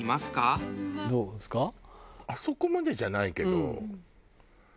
あそこまでじゃないけど。